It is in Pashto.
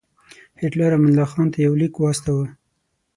هیټلر امان الله خان ته یو لیک واستاوه.